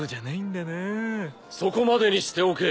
・そこまでにしておけ。